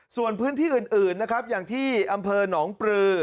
ส่วนพื้นที่อื่นนะครับอย่างที่อำเภอหนองปลือ